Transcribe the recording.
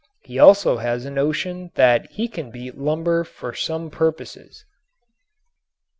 He also has a notion that he can beat lumber for some purposes.